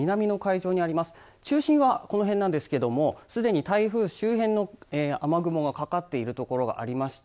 中心はこの辺なんですけどもすでに台風周辺の雨雲がかかっているところがありまして